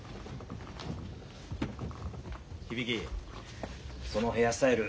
響そのヘアスタイル